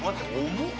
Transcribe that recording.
重っ。